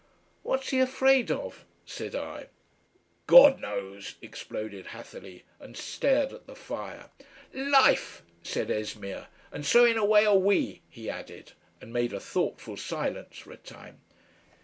"What's he afraid of?" said I. "God knows!" exploded Hatherleigh and stared at the fire. "LIFE!" said Esmeer. "And so in a way are we," he added, and made a thoughtful silence for a time.